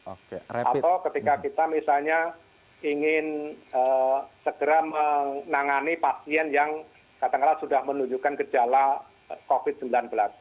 atau ketika kita misalnya ingin segera menangani pasien yang katakanlah sudah menunjukkan gejala covid sembilan belas